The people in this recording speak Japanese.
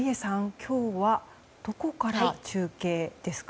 今日はどこから中継ですか？